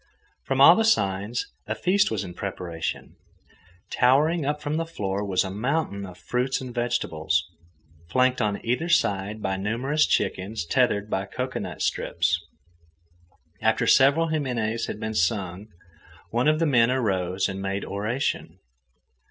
From all the signs, a feast was in preparation. Towering up from the floor was a mountain of fruits and vegetables, flanked on either side by numerous chickens tethered by cocoanut strips. After several himines had been sung, one of the men arose and made oration.